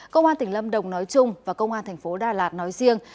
công an tỉnh lâm đồng nói chung và công an thành phố đà lạt nói riêng